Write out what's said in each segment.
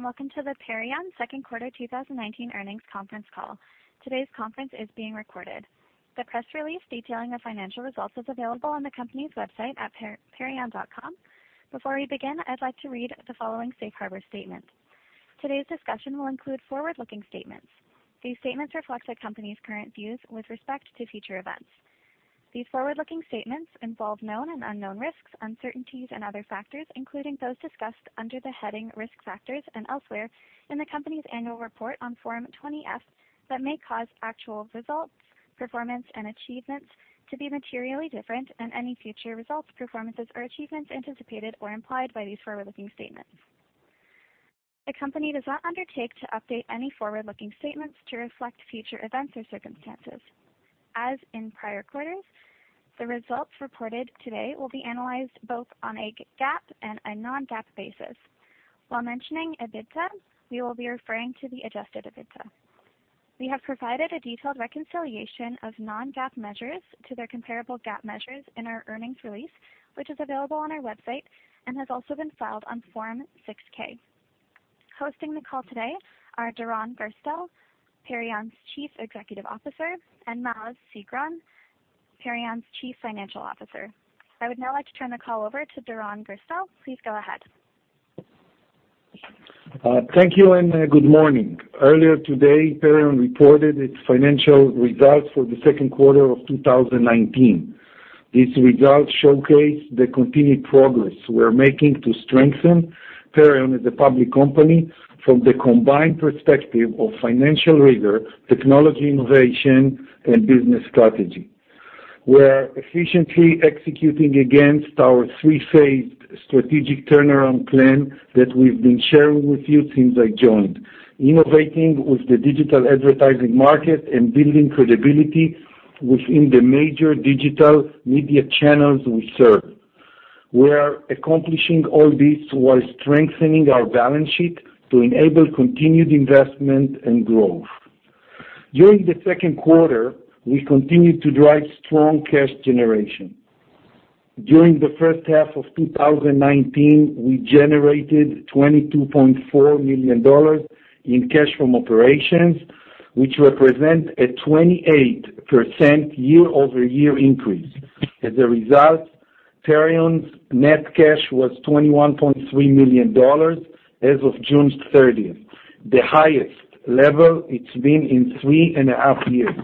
Welcome to the Perion second quarter 2019 earnings conference call. Today's conference is being recorded. The press release detailing the financial results is available on the company's website at perion.com. Before we begin, I'd like to read the following safe harbor statement. Today's discussion will include forward-looking statements. These statements reflect the company's current views with respect to future events. These forward-looking statements involve known and unknown risks, uncertainties, and other factors, including those discussed under the heading Risk Factors and elsewhere in the company's annual report on Form 20-F that may cause actual results, performance, and achievements to be materially different than any future results, performances, or achievements anticipated or implied by these forward-looking statements. The company does not undertake to update any forward-looking statements to reflect future events or circumstances. As in prior quarters, the results reported today will be analyzed both on a GAAP and a non-GAAP basis. While mentioning EBITDA, we will be referring to the adjusted EBITDA. We have provided a detailed reconciliation of non-GAAP measures to their comparable GAAP measures in our earnings release, which is available on our website and has also been filed on Form 6-K. Hosting the call today are Doron Gerstel, Perion's Chief Executive Officer, and Maoz Sigron, Perion's Chief Financial Officer. I would now like to turn the call over to Doron Gerstel. Please go ahead. Thank you. Good morning. Earlier today, Perion reported its financial results for the second quarter of 2019. These results showcase the continued progress we're making to strengthen Perion as a public company from the combined perspective of financial rigor, technology innovation, and business strategy. We are efficiently executing against our three-phased strategic turnaround plan that we've been sharing with you since I joined, innovating with the digital advertising market and building credibility within the major digital media channels we serve. We are accomplishing all this while strengthening our balance sheet to enable continued investment and growth. During the second quarter, we continued to drive strong cash generation. During the first half of 2019, we generated $22.4 million in cash from operations, which represent a 28% year-over-year increase. As a result, Perion's net cash was $21.3 million as of June 30th, the highest level it's been in three and a half years.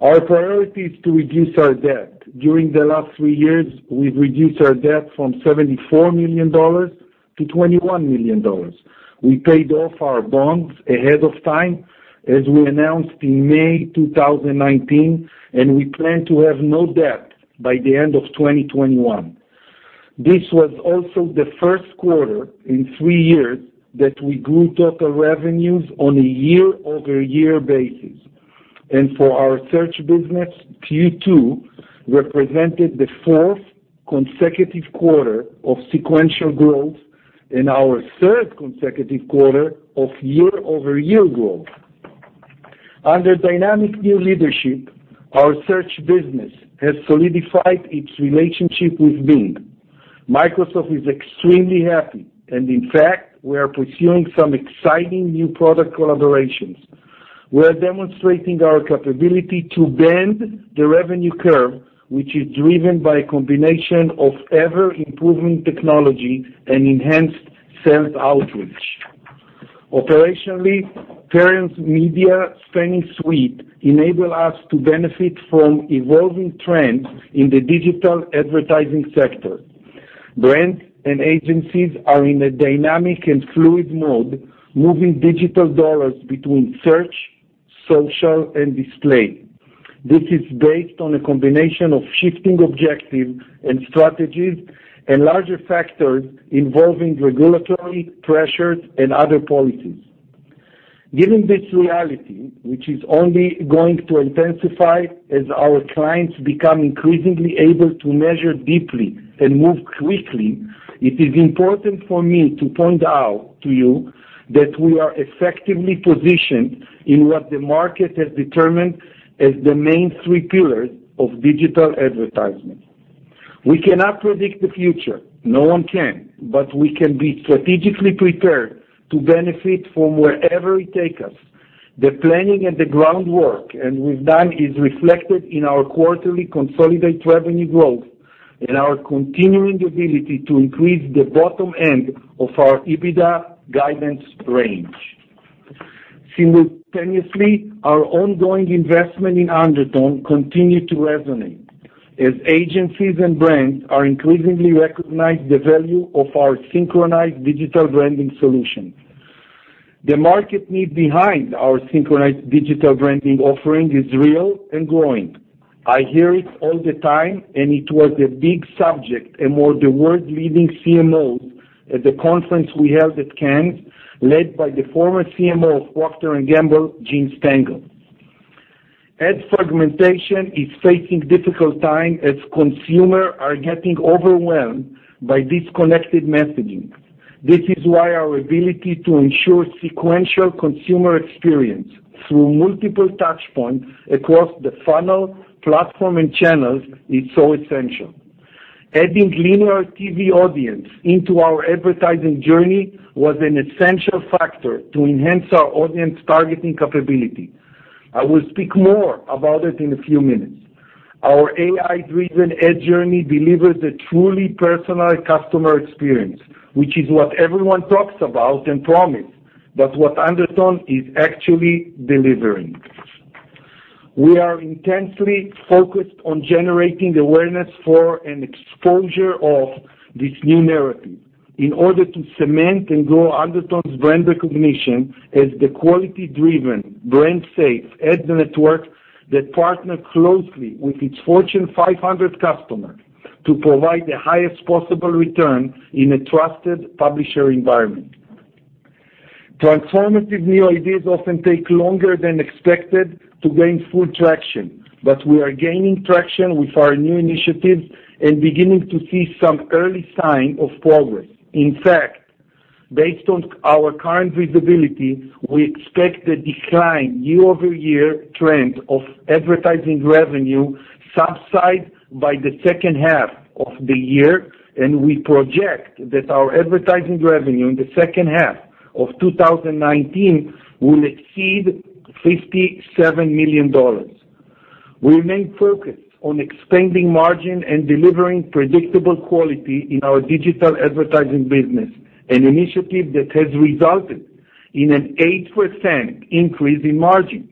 Our priority is to reduce our debt. During the last three years, we've reduced our debt from $74 million to $21 million. We paid off our bonds ahead of time, as we announced in May 2019, and we plan to have no debt by the end of 2021. This was also the first quarter in three years that we grew total revenues on a year-over-year basis. For our search business, Q2 represented the fourth consecutive quarter of sequential growth and our third consecutive quarter of year-over-year growth. Under dynamic new leadership, our search business has solidified its relationship with Bing. Microsoft is extremely happy, and in fact, we are pursuing some exciting new product collaborations. We are demonstrating our capability to bend the revenue curve, which is driven by a combination of ever-improving technology and enhanced sales outreach. Operationally, Perion's media spending suite enable us to benefit from evolving trends in the digital advertising sector. Brands and agencies are in a dynamic and fluid mode, moving digital dollars between search, social, and display. This is based on a combination of shifting objectives and strategies and larger factors involving regulatory pressures and other policies. Given this reality, which is only going to intensify as our clients become increasingly able to measure deeply and move quickly, it is important for me to point out to you that we are effectively positioned in what the market has determined as the main three pillars of digital advertisement. We cannot predict the future. No one can. We can be strategically prepared to benefit from wherever it takes us. The planning and the groundwork, and we've done, is reflected in our quarterly consolidated revenue growth and our continuing ability to increase the bottom end of our EBITDA guidance range. Simultaneously, our ongoing investment in Undertone continued to resonate as agencies and brands are increasingly recognize the value of our Synchronized Digital Branding solution. The market need behind our Synchronized Digital Branding offering is real and growing. I hear it all the time, and it was a big subject among the world-leading CMOs at the conference we held at Cannes, led by the former CMO of Procter & Gamble, Jean-Philippe Stengel. Ad fragmentation is facing difficult time as consumer are getting overwhelmed by disconnected messaging. This is why our ability to ensure sequential consumer experience through multiple touchpoints across the funnel, platform, and channels is so essential. Adding linear TV audience into our advertising journey was an essential factor to enhance our audience targeting capability. I will speak more about it in a few minutes. Our AI-driven ad journey delivers a truly personalized customer experience, which is what everyone talks about and promise, but what Undertone is actually delivering. We are intensely focused on generating awareness for and exposure of this new narrative in order to cement and grow Undertone's brand recognition as the quality-driven, brand-safe ad network that partner closely with its Fortune 500 customer to provide the highest possible return in a trusted publisher environment. Transformative new ideas often take longer than expected to gain full traction, but we are gaining traction with our new initiatives and beginning to see some early sign of progress. In fact, based on our current visibility, we expect the decline year-over-year trend of advertising revenue subside by the second half of the year, and we project that our advertising revenue in the second half of 2019 will exceed $57 million. We remain focused on expanding margin and delivering predictable quality in our digital advertising business, an initiative that has resulted in an 8% increase in margins.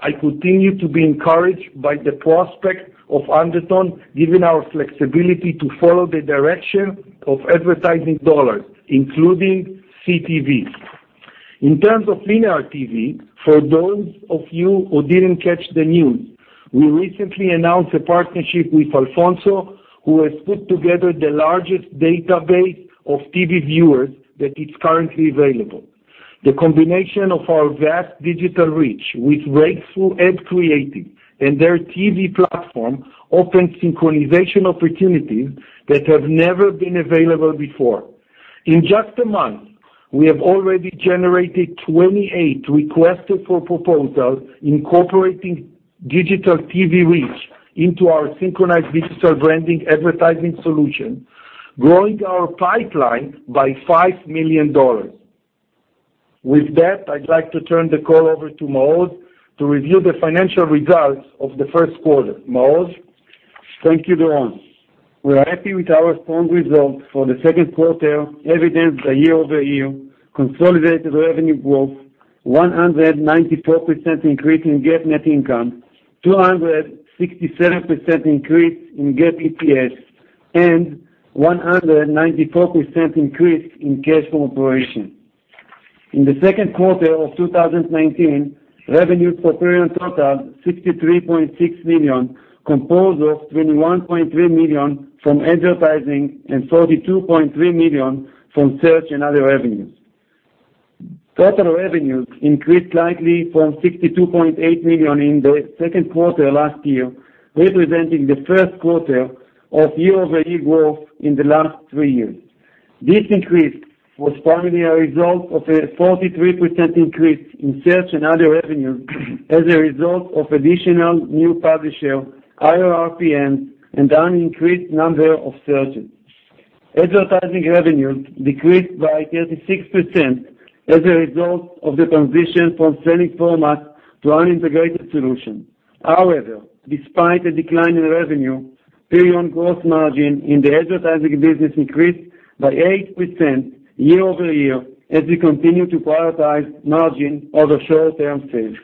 I continue to be encouraged by the prospect of Undertone giving our flexibility to follow the direction of advertising dollars, including CTV. In terms of linear TV, for those of you who didn't catch the news, we recently announced a partnership with Alphonso, who has put together the largest database of TV viewers that is currently available. The combination of our vast digital reach with breakthrough ad creating and their TV platform offers synchronization opportunities that have never been available before. In just a month, we have already generated 28 requests for proposals incorporating digital TV reach into our Synchronized Digital Branding advertising solution, growing our pipeline by $5 million. With that, I'd like to turn the call over to Maoz to review the financial results of the first quarter. Maoz? Thank you, Doron. We are happy with our strong results for the second quarter, evidenced by year-over-year consolidated revenue growth, 194% increase in GAAP net income, 267% increase in GAAP EPS, and 194% increase in cash from operation. In the second quarter of 2019, revenues for Perion totaled $63.6 million, composed of $21.3 million from advertising and $42.3 million from search and other revenues. Total revenues increased slightly from $62.8 million in the second quarter last year, representing the first quarter of year-over-year growth in the last three years. This increase was primarily a result of a 43% increase in search and other revenues as a result of additional new publisher, higher RPM, and an increased number of searches. Advertising revenues decreased by 36% as a result of the transition from selling formats to our integrated solution. However, despite a decline in revenue, Perion gross margin in the advertising business increased by 8% year-over-year, as we continue to prioritize margin over short-term sales.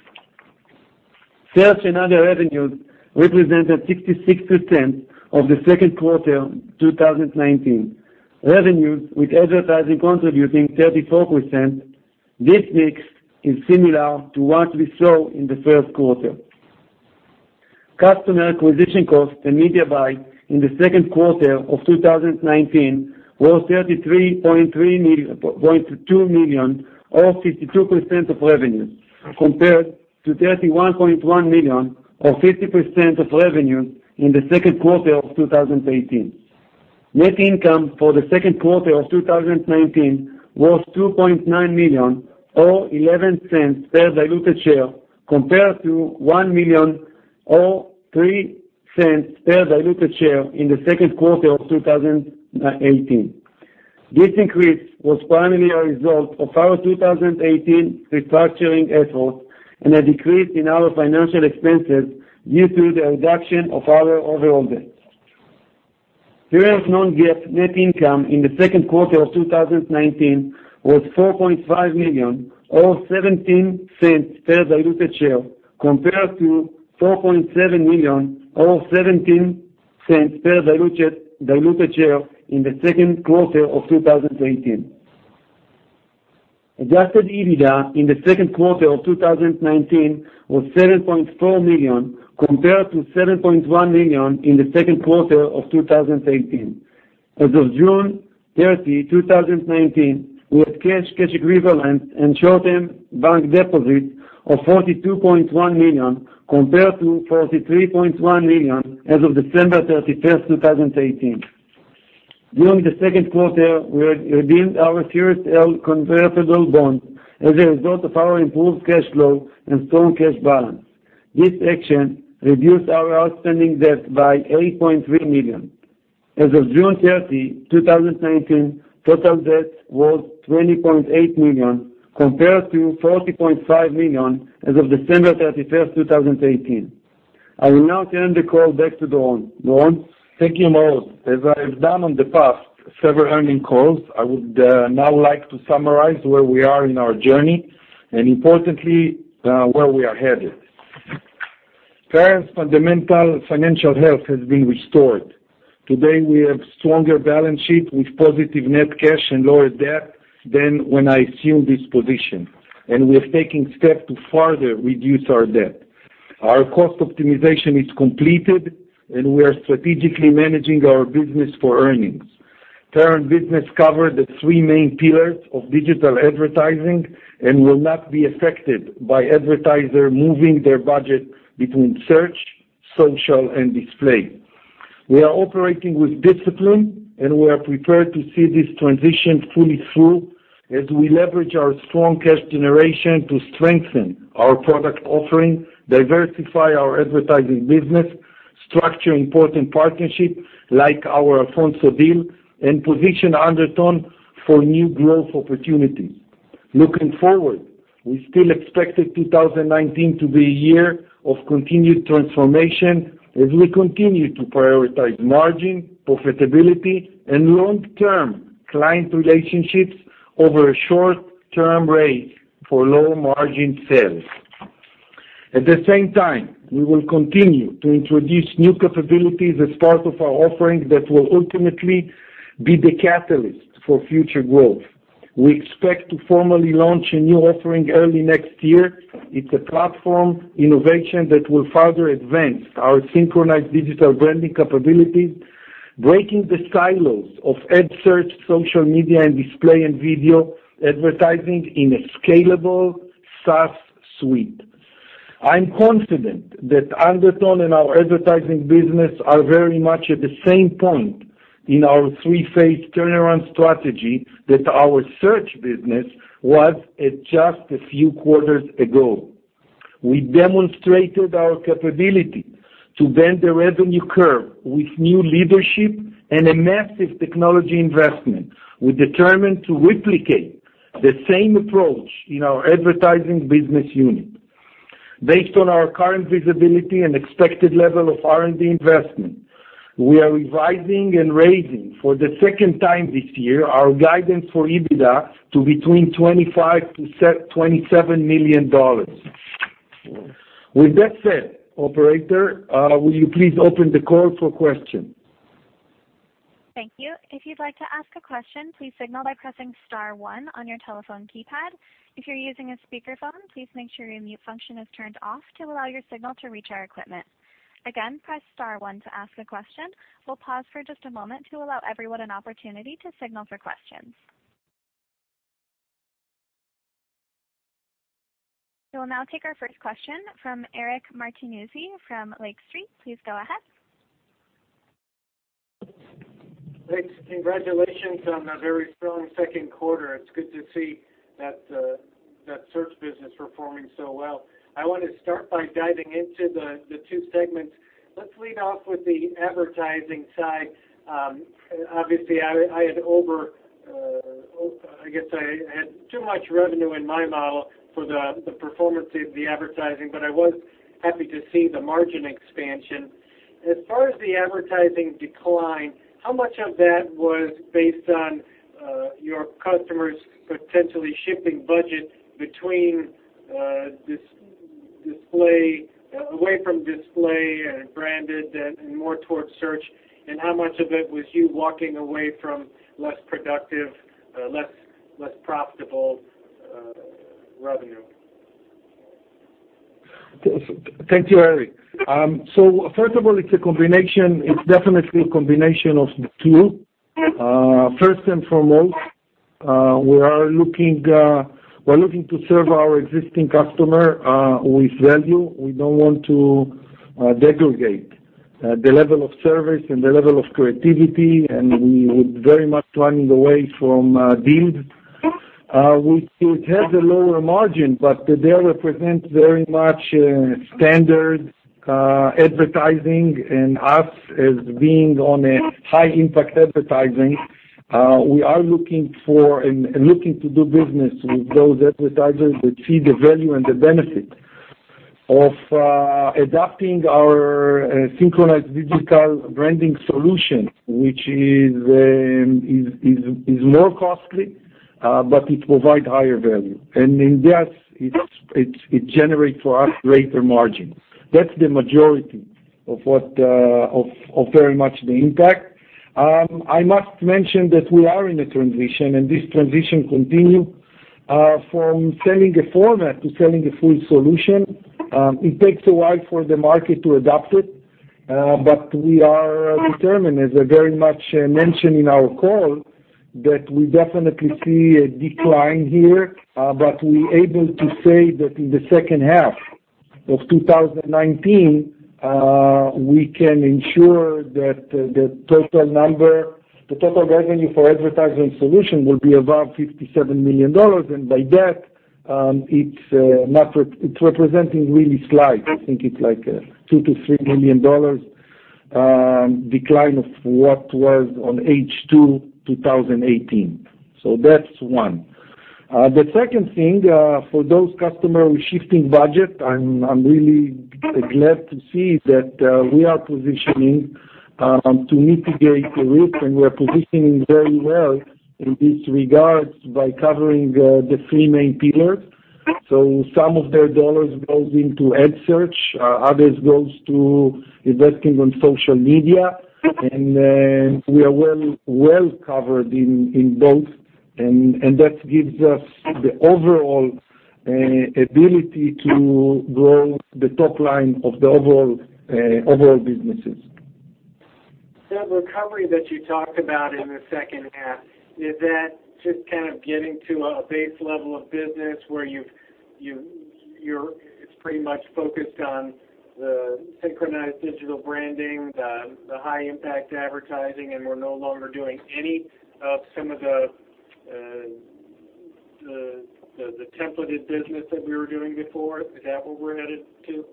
Search and other revenues represented 66% of the second quarter 2019 revenues, with advertising contributing 34%. This mix is similar to what we saw in the first quarter. Customer acquisition costs and media buy in the second quarter of 2019 were $33.2 million, or 52% of revenue, compared to $31.1 million or 50% of revenue in the second quarter of 2018. Net income for the second quarter of 2019 was $2.9 million or $0.11 per diluted share compared to $1 million or $0.03 per diluted share in the second quarter of 2018. This increase was primarily a result of our 2018 restructuring efforts and a decrease in our financial expenses due to the reduction of our overall debt. Perion's non-GAAP net income in the second quarter of 2019 was $4.5 million or $0.17 per diluted share compared to $4.7 million or $0.17 per diluted share in the second quarter of 2018. Adjusted EBITDA in the second quarter of 2019 was $7.4 million, compared to $7.1 million in the second quarter of 2018. As of June 30, 2019, we had cash equivalents, and short-term bank deposits of $42.1 million, compared to $43.1 million as of December 31, 2018. During the second quarter, we redeemed our Series L convertible bonds as a result of our improved cash flow and strong cash balance. This action reduced our outstanding debt by $8.3 million. As of June 30, 2019, total debt was $20.8 million, compared to $40.5 million as of December 31, 2018. I will now turn the call back to Doron. Doron? Thank you, Maoz. As I have done on the past several earnings calls, I would now like to summarize where we are in our journey, and importantly, where we are headed. Perion's fundamental financial health has been restored. Today, we have stronger balance sheet with positive net cash and lower debt than when I assumed this position. We are taking steps to further reduce our debt. Our cost optimization is completed. We are strategically managing our business for earnings. Perion business cover the three main pillars of digital advertising and will not be affected by advertisers moving their budget between search, social, and display. We are operating with discipline, and we are prepared to see this transition fully through as we leverage our strong cash generation to strengthen our product offering, diversify our advertising business, structure important partnership like our Alphonso deal, and position Undertone for new growth opportunities. Looking forward, we still expected 2019 to be a year of continued transformation as we continue to prioritize margin, profitability, and long-term client relationships over a short-term rate for low-margin sales. At the same time, we will continue to introduce new capabilities as part of our offering that will ultimately be the catalyst for future growth. We expect to formally launch a new offering early next year. It's a platform innovation that will further advance our Synchronized Digital Branding capabilities, breaking the silos of search advertising, social media, and display and video advertising in a scalable SaaS suite. I'm confident that Undertone and our advertising business are very much at the same point in our 3-phase turnaround strategy that our search business was at just a few quarters ago. We demonstrated our capability to bend the revenue curve with new leadership and a massive technology investment. We're determined to replicate the same approach in our advertising business unit. Based on our current visibility and expected level of R&D investment, we are revising and raising for the second time this year our guidance for EBITDA to between $25 million-$27 million. With that said, operator, will you please open the call for questions? Thank you. If you'd like to ask a question, please signal by pressing star one on your telephone keypad. If you're using a speakerphone, please make sure your mute function is turned off to allow your signal to reach our equipment. Again, press star one to ask a question. We'll pause for just a moment to allow everyone an opportunity to signal for questions. We will now take our first question from Eric Martinuzzi from Lake Street. Please go ahead. Thanks. Congratulations on a very strong second quarter. It's good to see that search advertising performing so well. I want to start by diving into the two segments. Let's lead off with the advertising side. Obviously, I had too much revenue in my model for the performance of the advertising, but I was happy to see the margin expansion. As far as the advertising decline, how much of that was based on your customers potentially shifting budget away from high impact advertising and more towards search advertising? How much of it was you walking away from less productive, less profitable revenue? Thank you, Eric. First of all, it's definitely a combination of the two. First and foremost, we're looking to serve our existing customer with value. We don't want to degrade the level of service and the level of creativity, and we would very much running away from deals which would have the lower margin, but they represent very much standard advertising and us as being on a high impact advertising. We are looking to do business with those advertisers that see the value and the benefit of adapting our Synchronized Digital Branding solution, which is more costly, but it provide higher value. In that, it generate for us greater margins. That's the majority of very much the impact. I must mention that we are in a transition, and this transition continue from selling a format to selling a full solution. It takes a while for the market to adopt it. We are determined, as I very much mentioned in our call, that we definitely see a decline here. We able to say that in the second half of 2019, we can ensure that the total revenue for advertising solution will be above $57 million. By that, it's representing really slight. I think it's like a $2 million-$3 million decline of what was on H2 2018. That's one. The second thing, for those customers shifting budget, I'm really glad to see that we are positioning to mitigate the risk, and we are positioning very well in this regards by covering the three main pillars. Some of their dollars go into search advertising, others go to investing on social media. We are well covered in both, and that gives us the overall ability to grow the top line of the overall businesses. That recovery that you talked about in the second half, is that just kind of getting to a base level of business where it's pretty much focused on the Synchronized Digital Branding, the high impact advertising, and we're no longer doing any of some of the templated business that we were doing before? Is that what we're headed to?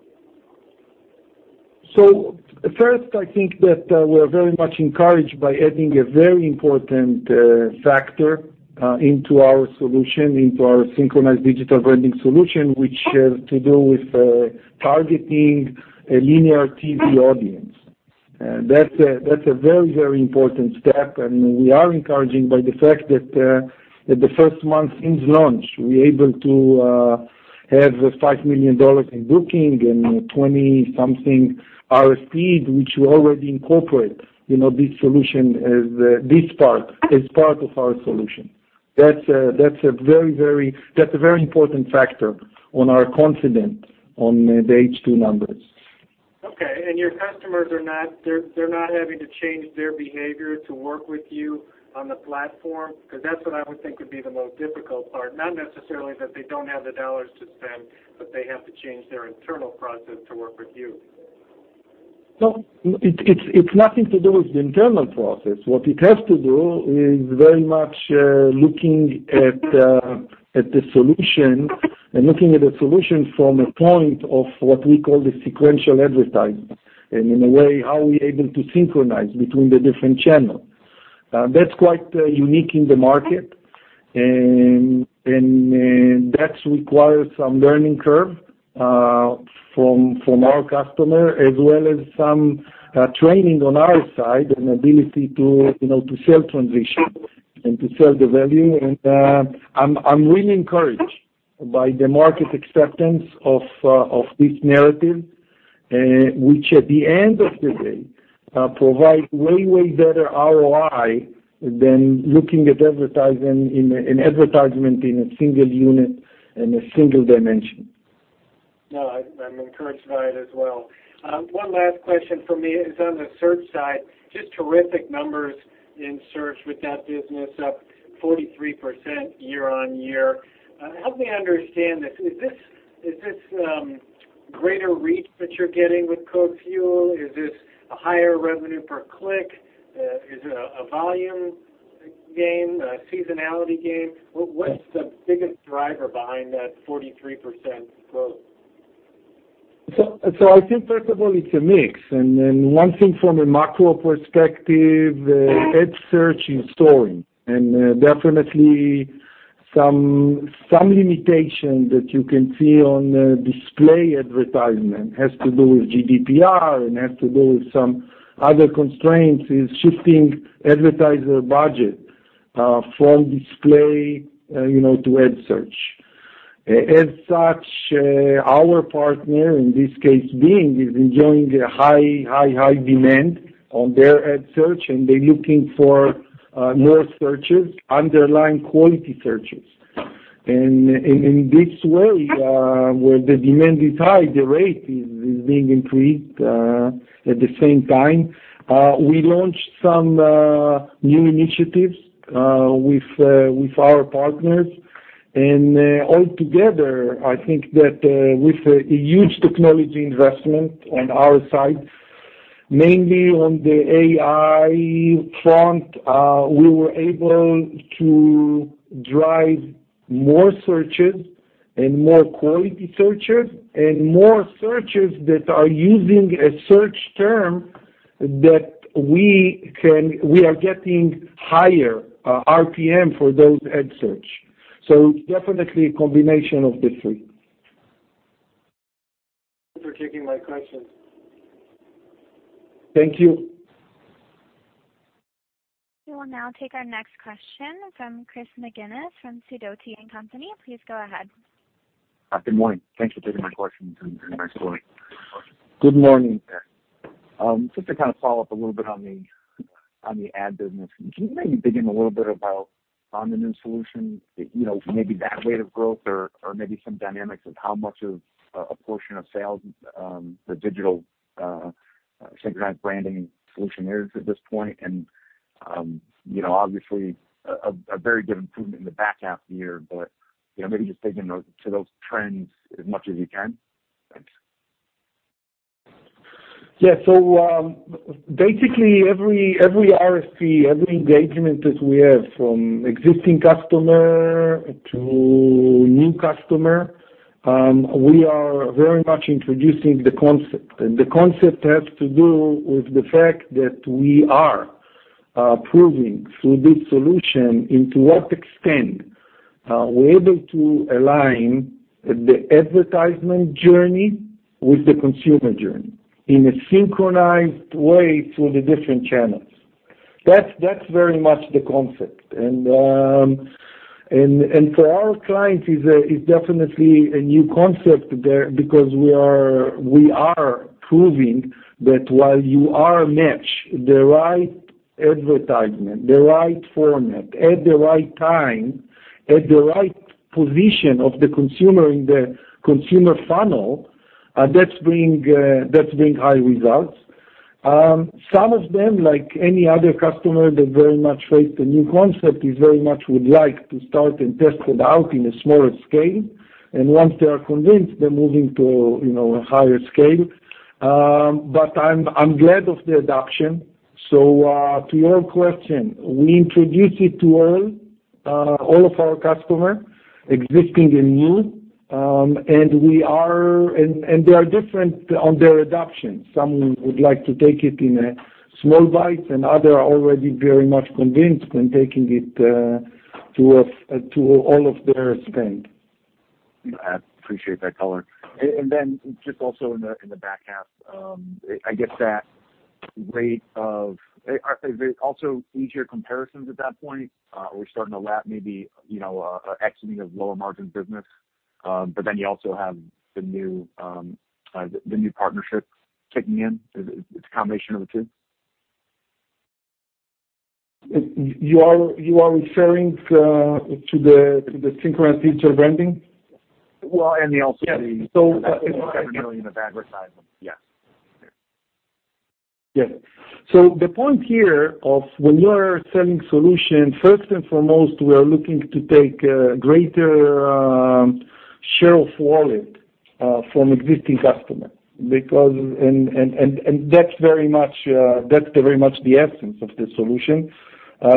First, I think that we're very much encouraged by adding a very important factor into our solution, into our Synchronized Digital Branding solution, which has to do with targeting a linear TV audience. That's a very important step, and we are encouraged by the fact that the first month since launch, we able to have $5 million in booking and 20-something RFP, which we already incorporate this part as part of our solution. That's a very important factor on our confidence on the H2 numbers. Your customers they're not having to change their behavior to work with you on the platform? That's what I would think would be the most difficult part, not necessarily that they don't have the dollars to spend, but they have to change their internal process to work with you. No, it's nothing to do with the internal process. What it has to do is very much looking at the solution, and looking at the solution from a point of what we call the sequential advertising, and in a way, how we able to synchronize between the different channel. That's quite unique in the market, and that requires some learning curve from our customer as well as some training on our side and ability to sell transition and to sell the value. I'm really encouraged by the market acceptance of this narrative, which at the end of the day, provide way better ROI than looking at advertisement in a single unit and a single dimension. No, I'm encouraged by it as well. One last question from me is on the search side, just terrific numbers in search with that business up 43% year-on-year. Help me understand this. Is this greater reach that you're getting with CodeFuel? Is this a higher revenue per click? Is it a volume gain? A seasonality gain? What's the biggest driver behind that 43% growth? I think first of all, it's a mix, and one thing from a macro perspective, ad search is soaring, and definitely some limitations that you can see on display advertisement has to do with GDPR and has to do with some other constraints, is shifting advertiser budget from display to ad search. Our partner, in this case, Bing, is enjoying a high demand on their ad search, and they're looking for more searches, underlying quality searches. In this way, where the demand is high, the rate is being increased. At the same time, we launched some new initiatives with our partners. Altogether, I think that with a huge technology investment on our side, mainly on the AI front, we were able to drive more searches and more quality searches, and more searches that are using a search term that we are getting higher RPM for those ad search. So it's definitely a combination of the three. Thank you for taking my question. Thank you. We will now take our next question from Christopher McGinnis from Sidoti & Company. Please go ahead. Good morning. Thank you for taking my questions, and thanks for the report. Good morning. Just to kind of follow up a little bit on the ad business, can you maybe dig in a little bit about finding new solutions, maybe that rate of growth or maybe some dynamics of how much of a portion of sales the digital-Synchronized Branding solution is at this point and obviously, a very good improvement in the back half of the year, but maybe just speaking to those trends as much as you can. Thanks. Basically, every RFP, every engagement that we have, from existing customer to new customer, we are very much introducing the concept. The concept has to do with the fact that we are proving through this solution into what extent we're able to align the advertisement journey with the consumer journey in a synchronized way through the different channels. That's very much the concept. And for our clients, it's definitely a new concept there because we are proving that while you are match the right advertisement, the right format at the right time, at the right position of the consumer in the consumer funnel, that's being high results. Some of them, like any other customer, they very much face the new concept, is very much would like to start and test it out in a smaller scale. And once they are convinced, they're moving to a higher scale. I'm glad of the adoption. To your question, we introduce it to all of our customer, existing and new, and they are different on their adoption. Some would like to take it in a small bite, and other are already very much convinced when taking it to all of their spend. I appreciate that color. Just also in the back half, I guess, are they also easier comparisons at that point? We're starting to lap maybe, exiting of lower margin business, you also have the new partnership kicking in. It's a combination of the two? You are referring to the Synchronized Digital Branding? Well. Yes. $700 million of advertisement. Yes. The point here of when you are selling solution, first and foremost, we are looking to take greater share of wallet from existing customer because, and that's very much the essence of the solution,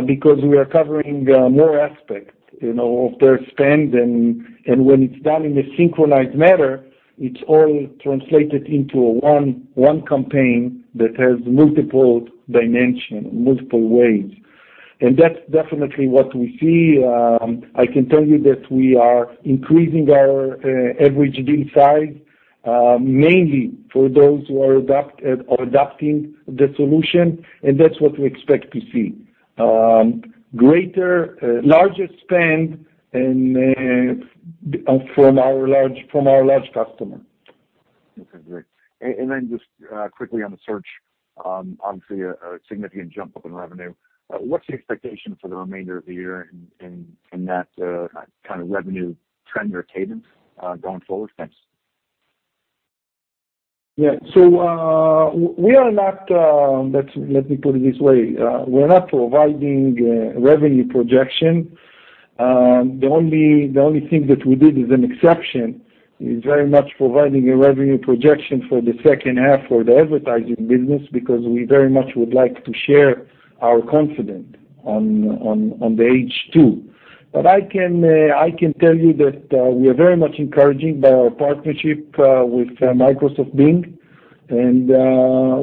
because we are covering more aspect of their spend and when it's done in a synchronized manner, it's all translated into a one campaign that has multiple dimension, multiple ways. That's definitely what we see. I can tell you that we are increasing our average deal size, mainly for those who are adopting the solution, and that's what we expect to see. Greater, larger spend from our large customer. Okay, great. Just quickly on the search, obviously a significant jump up in revenue. What's the expectation for the remainder of the year in that kind of revenue trend or cadence, going forward? Thanks. Yeah. We are not, let me put it this way, we're not providing revenue projection. The only thing that we did is an exception, is very much providing a revenue projection for the second half for the advertising business because we very much would like to share our confidence on the H2. I can tell you that we are very much encouraged by our partnership with Microsoft Bing, and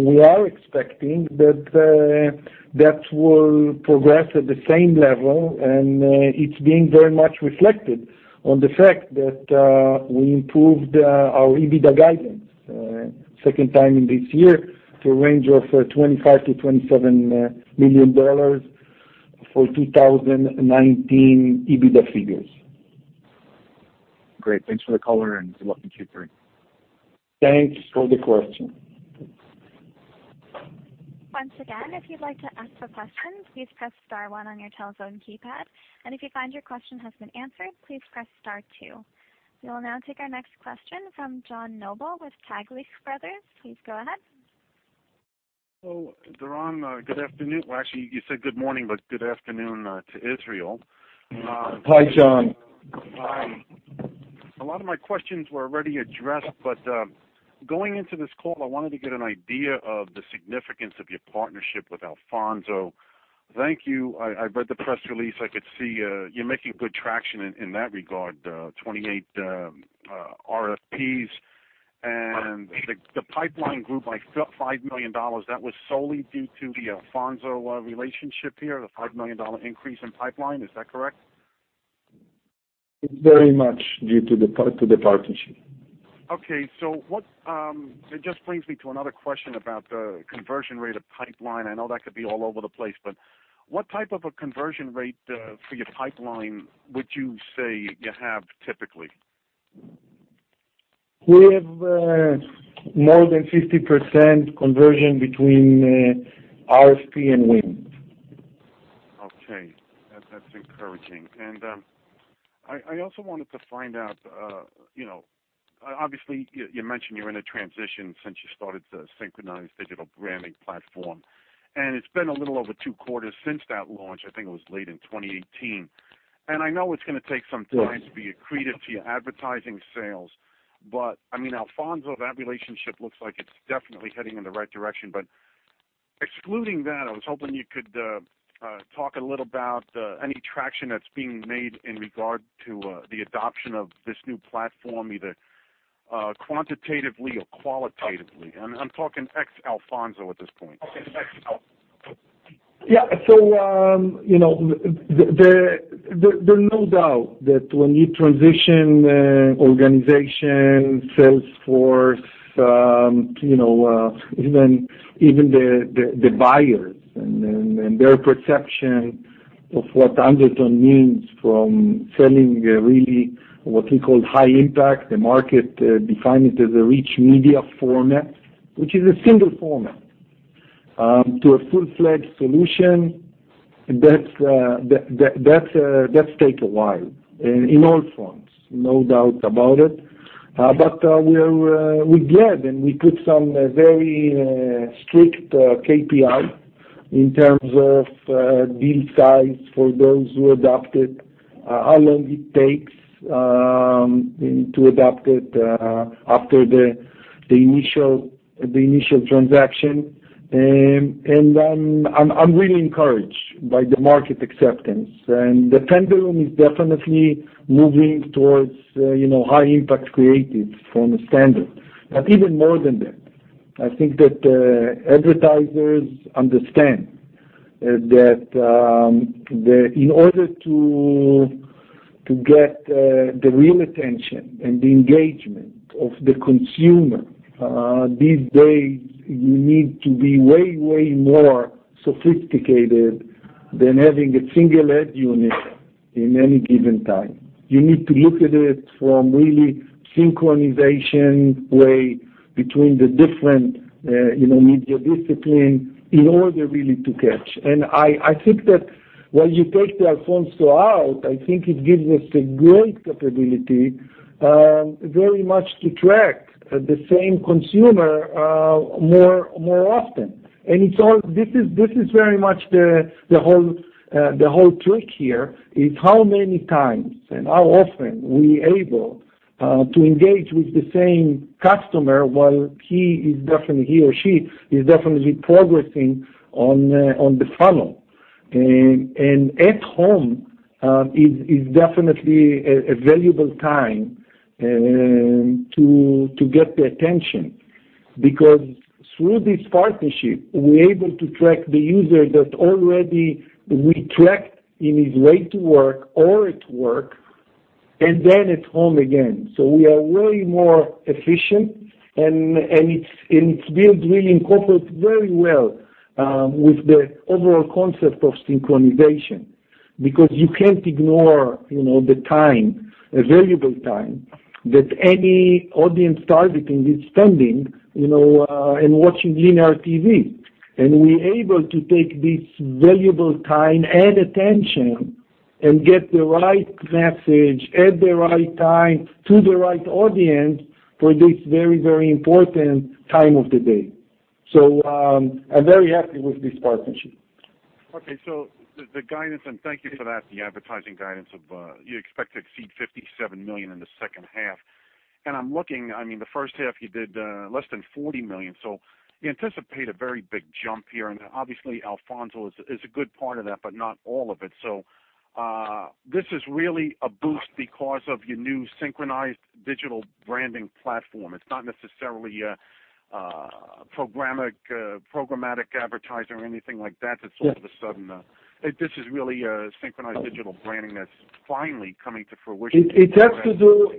we are expecting that that will progress at the same level. It's being very much reflected on the fact that we improved our EBITDA guidance, second time in this year, to a range of $25 million-$27 million for 2019 EBITDA figures. Great. Thanks for the color and good luck in Q3. Thanks for the question. Once again, if you'd like to ask a question, please press star one on your telephone keypad. If you find your question has been answered, please press star two. We will now take our next question from John Noble with Taglich Brothers. Please go ahead. Doron, good afternoon. Well, actually, you said good morning, good afternoon to Israel. Hi, John. A lot of my questions were already addressed, going into this call, I wanted to get an idea of the significance of your partnership with Alphonso. Thank you. I read the press release. I could see you're making good traction in that regard, 28 RFPs and the pipeline grew by $5 million. That was solely due to the Alphonso relationship here, the $5 million increase in pipeline. Is that correct? It's very much due to the partnership. Okay. It just brings me to another question about the conversion rate of pipeline. I know that could be all over the place, but what type of a conversion rate, for your pipeline, would you say you have typically? We have more than 50% conversion between RFP and win. Okay. That's encouraging. I also wanted to find out, obviously, you mentioned you're in a transition since you started the Synchronized Digital Branding platform, and it's been a little over two quarters since that launch. I think it was late in 2018. I know it's going to take some time. Yes to be accretive to your advertising sales. Alphonso, that relationship looks like it's definitely heading in the right direction. Excluding that, I was hoping you could talk a little about any traction that's being made in regard to the adoption of this new platform, either quantitatively or qualitatively. I'm talking ex Alphonso at this point. Ex Alphonso. Yeah. There's no doubt that when you transition organization, sales force, even the buyers and their perception of what Undertone means from selling really what we call high impact, the market define it as a rich media format, which is a single format, to a full-fledged solution. That takes a while in all fronts, no doubt about it. We get and we put some very strict KPI in terms of deal size for those who adopt it, how long it takes to adopt it after the initial transaction. I'm really encouraged by the market acceptance. The pendulum is definitely moving towards high impact creative from a standard. Even more than that, I think that advertisers understand that in order to get the real attention and the engagement of the consumer these days, you need to be way more sophisticated than having a single ad unit in any given time. You need to look at it from really synchronization way between the different media discipline in order really to catch. I think that while you take the Alphonso out, I think it gives us a great capability very much to track the same consumer more often. This is very much the whole trick here, is how many times and how often we able to engage with the same customer while he or she is definitely progressing on the funnel. At home is definitely a valuable time to get the attention because through this partnership, we're able to track the user that already we tracked in his way to work or at work, and then at home again. We are way more efficient, and it's built really incorporate very well with the overall concept of synchronization because you can't ignore the time, a valuable time that any audience target can be spending and watching linear TV. We able to take this valuable time and attention and get the right message at the right time to the right audience for this very important time of the day. I'm very happy with this partnership. Okay. The guidance, and thank you for that, the advertising guidance of you expect to exceed $57 million in the second half. I'm looking, the first half you did less than $40 million, so you anticipate a very big jump here. Obviously Alphonso is a good part of that, but not all of it. This is really a boost because of your new Synchronized Digital Branding platform. It's not necessarily a programmatic advertiser or anything like that. Yes that's all of a sudden. This is really a Synchronized Digital Branding that's finally coming to fruition. It has to do,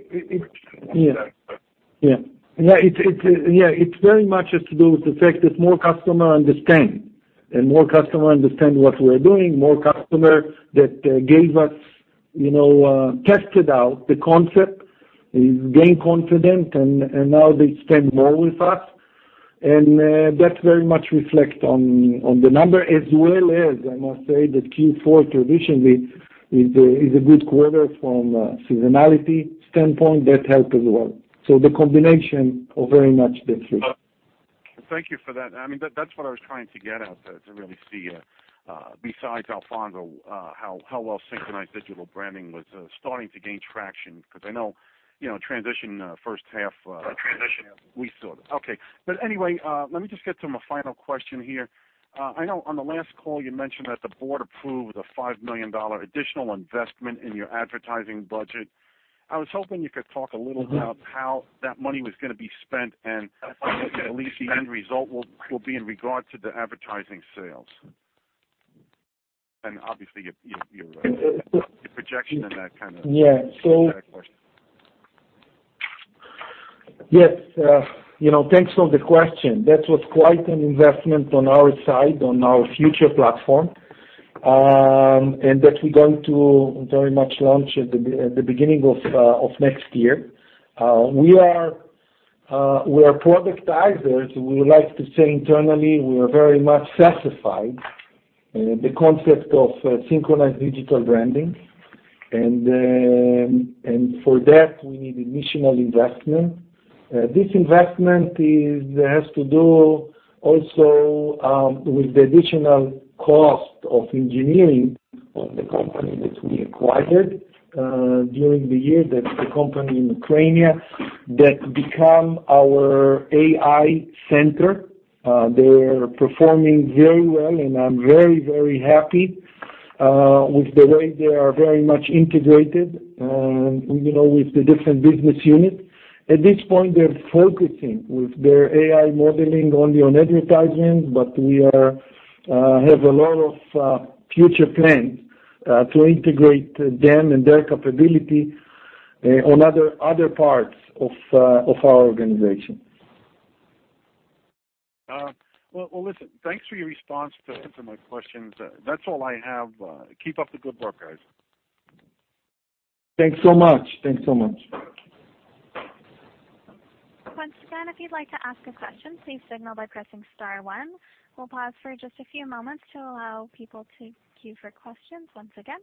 yeah. It very much has to do with the fact that more customer understand, and more customer understand what we're doing, more customer that gave us, tested out the concept is gain confident, and now they spend more with us. That very much reflect on the number as well as, I must say that Q4 traditionally is a good quarter from a seasonality standpoint. That helped as well. The combination of very much the three. Thank you for that. That's what I was trying to get at, to really see, besides Alphonso, how well Synchronized Digital Branding was starting to gain traction because I know transition first half. Transition we saw that. Okay. Anyway, let me just get to my final question here. I know on the last call you mentioned that the board approved a $5 million additional investment in your advertising budget. I was hoping you could talk a little about how that money was going to be spent. Okay at least the end result will be in regard to the advertising sales. Yeah. static question. Yes. Thanks for the question. That was quite an investment on our side, on our future platform, and that we going to very much launch at the beginning of next year. We are productizers. We like to say internally we are very much satisfied the concept of Synchronized Digital Branding, and for that, we need additional investment. This investment has to do also with the additional cost of engineering of the company that we acquired during the year. That's the company in Ukraine that become our AI center. They're performing very well, and I'm very happy with the way they are very much integrated with the different business units. At this point, they're focusing with their AI modeling only on advertising, but we have a lot of future plans to integrate them and their capability on other parts of our organization. Well, listen, thanks for your response to my questions. That's all I have. Keep up the good work, guys. Thanks so much. Once again, if you'd like to ask a question, please signal by pressing star one. We'll pause for just a few moments to allow people to queue for questions once again.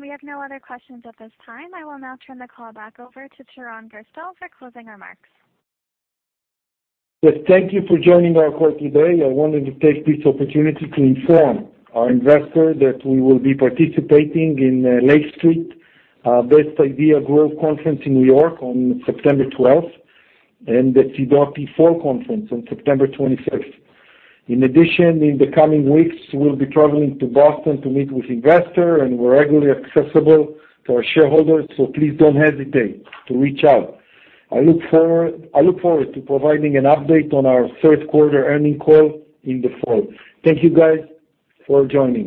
We have no other questions at this time. I will now turn the call back over to Doron Gerstel for closing remarks. Yes, thank you for joining our call today. I wanted to take this opportunity to inform our investors that we will be participating in Lake Street Best Ideas Growth Conference in New York on September 12th and the Sidoti Fall Conference on September 25th. In addition, in the coming weeks, we'll be traveling to Boston to meet with investors, and we're regularly accessible to our shareholders. Please don't hesitate to reach out. I look forward to providing an update on our third-quarter earnings call in the fall. Thank you, guys, for joining.